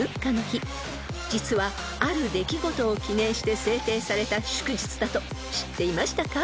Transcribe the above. ［実はある出来事を記念して制定された祝日だと知っていましたか？］